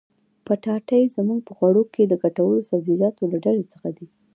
پټاټې زموږ په خوړو کښي د ګټورو سبزيجاتو له ډلي څخه دي.